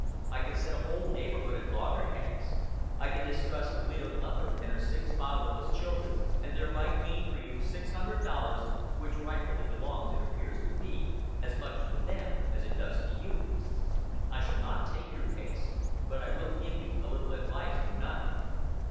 I can set a whole neighborhood at loggerheads; I can distress a widowed mother and her six fatherless children, and thereby gain for you six hundred dollars, which rightfully belongs, it appears to me, as much to them as it does to you. I shall not take your case, but I will give you a little advice for nothing.